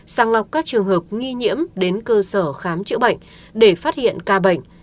sàng lọc các trường hợp nghi nhiễm đến cơ sở khám chữa bệnh để phát hiện ca bệnh